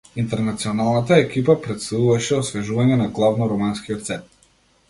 Интернационалната екипа претставуваше освежување на главно романскиот сет.